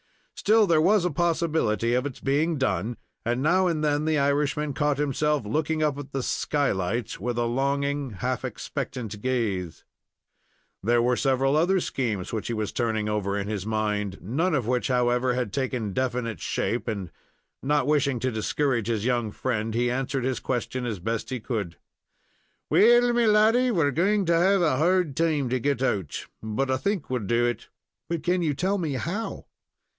Still there was a possibility of its being done, and now and then the Irishman caught himself looking up at the "skylight," with a longing, half expectant gaze. There were several other schemes which he was turning over in his mind, none of which, however, had taken definite shape, and, not wishing to discourage his young friend, he answered his question as best he could. "Well, my laddy, we're going to have a hard time to get out, but I think we'll do it." "But can you tell me how?"